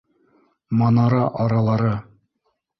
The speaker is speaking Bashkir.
Манара аралары.